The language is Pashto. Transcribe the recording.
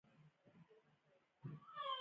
د مینې پلار هم نظر مثبت و